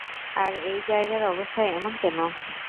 আর এই জায়গার অবস্থা এমন কেন?